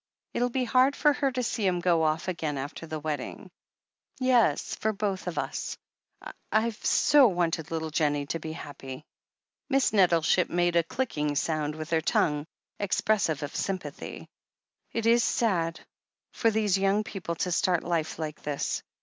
It'll be hard for her to see him go off again after the wedding." "Yes — for both of us. I — I've so wanted little Jen nie to be happy." 4SO THE HEEL OF ACHILLES Miss Nettleship made a clicking sound with her tongue, expressive of sympathy. "T'thk, t'thk ! It is sad for all these young people, to start life like this.